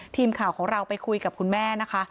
ทีมข่าวของเราไปคุยกับคุณแม่นะคะ